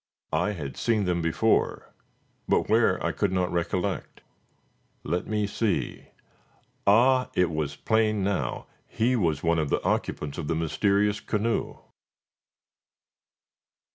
I had seen them before, but where I could not recollect. Let me see ah! it was plain now. He was one of the occupants of the mysterious canoe!